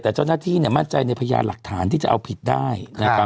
แต่เจ้าหน้าที่มั่นใจในพยานหลักฐานที่จะเอาผิดได้นะครับ